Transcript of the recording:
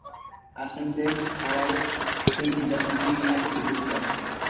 Agenteek, halaber, sei itsasontzi miatu zituzten.